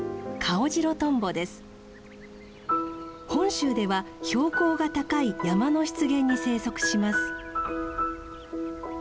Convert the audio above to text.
本州では標高が高い山の湿原に生息します。